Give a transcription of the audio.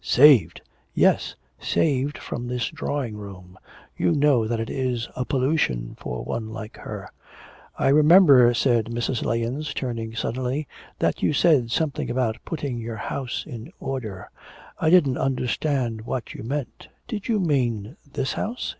'Saved!' 'Yes, saved from this drawing room; you know that it is a pollution for one like her.' 'I remember,' said Mrs. Lahens, turning suddenly, 'that you said something about putting your house in order. I didn't understand what you meant. Did you mean this house?'